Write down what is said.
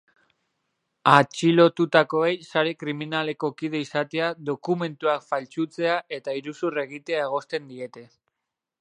Atxilotutakoei sare kriminaleko kide izatea, dokumentuak faltsutzea eta iruzur egitea egozten diete.